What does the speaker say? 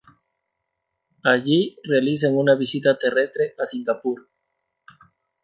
Allí realizan una visita terrestre a Singapur.